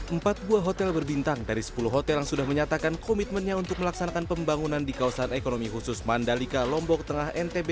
empat buah hotel berbintang dari sepuluh hotel yang sudah menyatakan komitmennya untuk melaksanakan pembangunan di kawasan ekonomi khusus mandalika lombok tengah ntb